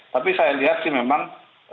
tapi saya lihat sih memang